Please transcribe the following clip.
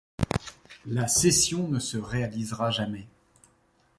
La cession ne se réalisera jamais.